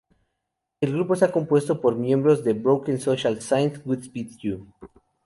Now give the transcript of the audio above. El grupo está compuesto por miembros de Broken Social Scene, Godspeed You!